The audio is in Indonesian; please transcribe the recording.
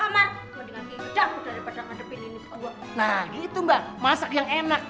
nah itu mbak masak yang enak